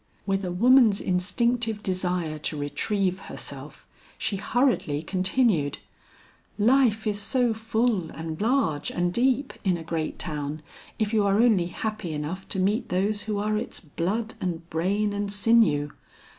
With a woman's instinctive desire to retrieve herself, she hurriedly continued, "Life is so full and large and deep in a great town, if you are only happy enough to meet those who are its blood and brain and sinew.